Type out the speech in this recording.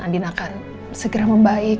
andina akan segera membaik